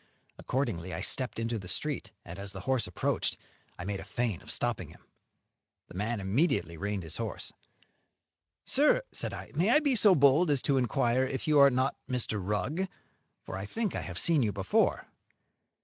Accordingly. I stepped into the street, and as the horse approached I made a feint of stopping him. The man immediately reined in his horse. "Sir," said I, "may I be so bold as to inquire if you are not Mr. Rugg? for I think I have seen you before."